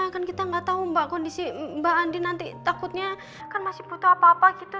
kan kita nggak tahu mbak kondisi mbak andi nanti takutnya kan masih butuh apa apa gitu